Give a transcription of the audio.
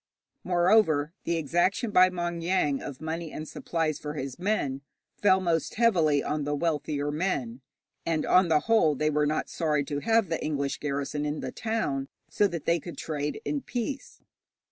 Moreover, the exaction by Maung Yaing of money and supplies for his men fell most heavily on the wealthier men, and on the whole they were not sorry to have the English garrison in the town, so that they could trade in peace.